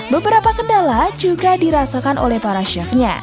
beberapa kendala juga dirasakan oleh para chef nya